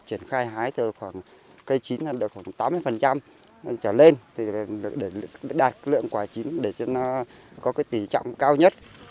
tình trạng thu hái cà phê xanh đã được hạn chế đáng kể